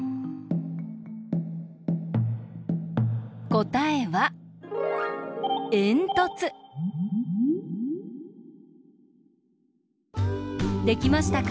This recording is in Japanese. こたえはできましたか？